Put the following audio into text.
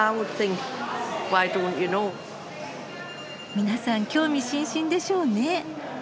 皆さん興味津々でしょうね。